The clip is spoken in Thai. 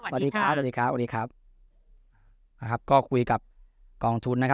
สวัสดีครับสวัสดีครับสวัสดีครับนะครับก็คุยกับกองทุนนะครับ